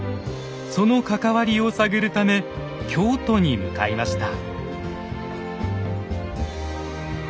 その関わりを探るため京都に向かいました。